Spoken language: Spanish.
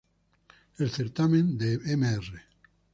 El certamen de Mr.